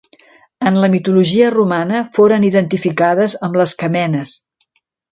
En la mitologia romana foren identificades amb les camenes.